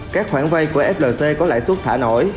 các khoản vay của flc có lãi suất thả nổi